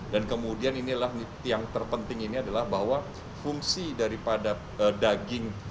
dan kemudian yang terpenting ini adalah bahwa fungsi daripada daging